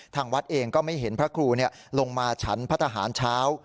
ทางวัดเองก็ไม่เห็นพระครูลงมาฉันพระทหารเช้า